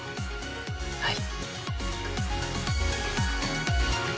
はい。